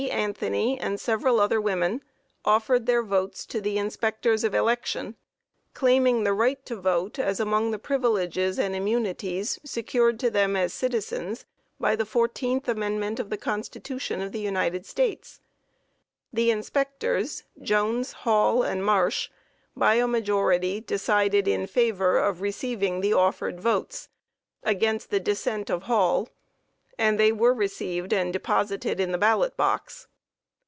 ANTHONY, and several other women, offered their votes to the inspectors of election, claiming the right to vote, as among the privileges and immunities secured to them as citizens by the fourteenth amendment to the Constitution of the United States. The inspectors, JONES, HALL, and MARSH, by a majority, decided in favor of receiving the offered votes, against the dissent of HALL, and they were received and deposited in the ballot box.